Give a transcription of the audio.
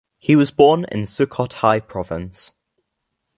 He was born in Sukhothai Province.